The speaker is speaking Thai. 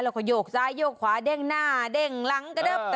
แล้วก็โยกซ้ายโยกขวาเด้งหน้าเด้งหลังกระดับ